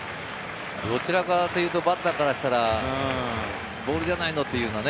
どちらかというとバッターからしたら、ボールじゃないの？というようなね。